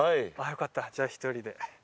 よかったじゃあ１人で。